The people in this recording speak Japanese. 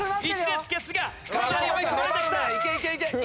１列消すがかなり追い込まれてきた。